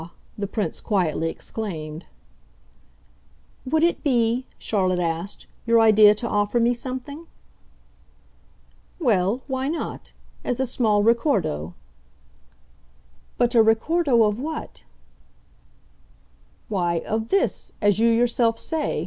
the Prince quietly exclaimed. "Would it be," Charlotte asked, "your idea to offer me something?" "Well, why not as a small ricordo." "But a ricordo of what?" "Why, of 'this' as you yourself say.